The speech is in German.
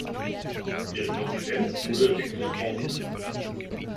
Deren Residenz wurde Vic-le-Comte.